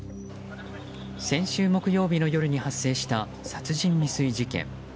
先週木曜日の夜に発生した殺人未遂事件。